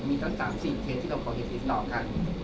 มีตั้งสามสี่เคสที่เราก่อเห็นอีกหน่อยค่ะ